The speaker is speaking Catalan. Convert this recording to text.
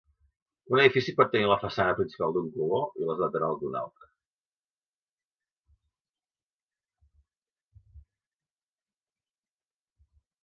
Un edifici pot tenir la façana principal d'un color i les laterals d'un altre.